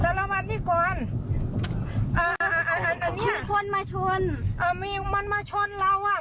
สารวัตรนี่ก่อนอ่าอ่าอันนี้คนมาชนอ่ามีมันมาชนเราอ่ะ